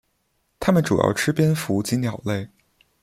它们主要吃蝙蝠及鸟类。